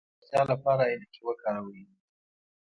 د سترګو د روغتیا لپاره عینکې وکاروئ